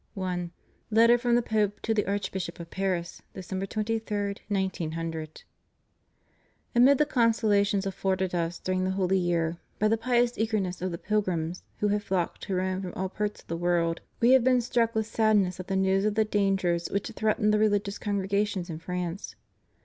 I. Letter from the Pope to the Archbishop of Paris, December 23, 1900. Amid the consolations afforded Us during the Holy Year by the pious eagerness of the pilgrims who have flocked to Rome from all parts of the world, We have been struck with sadness at the news of the dangers which threaten the religious congregations in France.